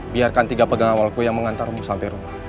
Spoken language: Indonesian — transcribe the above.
biarkan tiga pegawai awalku yang mengantarmu sampai rumah